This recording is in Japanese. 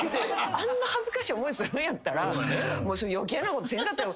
あんな恥ずかしい思いするんやったら余計なことせんかったら。